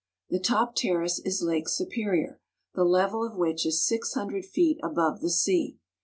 The top terrace is Lake Su perior, the level of which is six hundred feet above the sea.